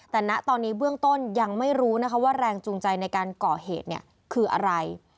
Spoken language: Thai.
แต่ณตอนนี้เบื้องต้นยังไม่รู้นะคะว่าแรงจูงใจในการก่อเหตุคืออะไร